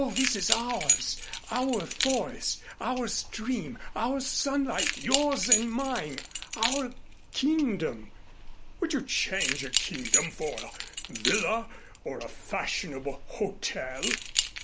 All this is ours our forest, our stream, our sunlight, yours and mine, our kingdom. Would you change a kingdom for a villa or a fashionable hotel?"